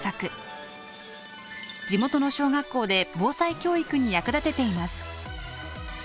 地元の小学校で防災教育に役立てています。